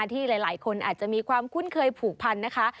ที่หลายคนอาจจะมีความคุ้นเคยผูกพันนะคะ